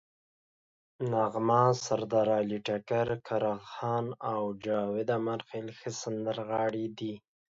نغمه، سردارعلي ټکر، کرن خان او جاوید امیرخیل ښه سندرغاړي دي.